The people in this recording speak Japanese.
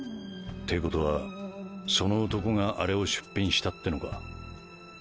ってことはその男があれを出品したってのか？